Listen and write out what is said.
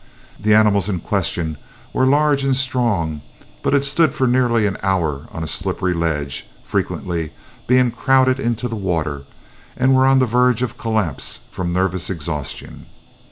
The animals in question were large and strong, but had stood for nearly an hour on a slippery ledge, frequently being crowded into the water, and were on the verge of collapse from nervous exhaustion.